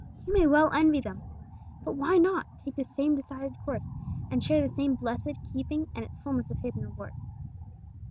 You may well envy them! But why not take the same decided course, and share the same blessed keeping and its fulness of hidden reward?